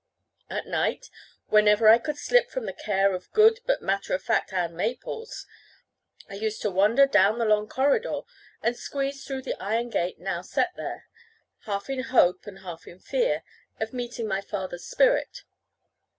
At night, whenever I could slip from the care of good but matter of fact Ann Maples, I used to wander down the long corridor, and squeeze through the iron gate now set there, half in hope and half in fear of meeting my father's spirit.